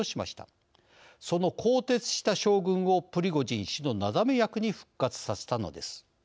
その更迭した将軍をプリゴジン氏のなだめ役に復活させたのです。